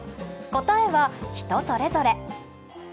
答えは人それぞれ。